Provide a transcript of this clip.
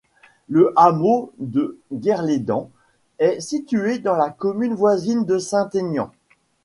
Le hameau de Guerlédan est situé dans la commune voisine de Saint-Aignan.